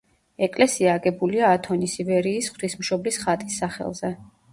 ეკლესია აგებულია ათონის ივერიის ღვთისმშობლის ხატის სახელზე.